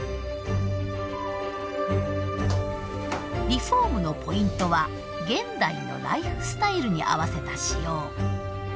リフォームのポイントは現代のライフスタイルに合わせた仕様。